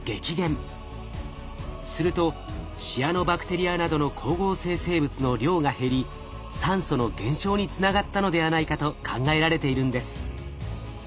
するとシアノバクテリアなどの光合成生物の量が減り酸素の減少につながったのではないかと考えられているんです。